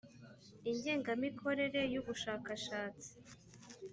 i ingengamikorere y ubushakashatsi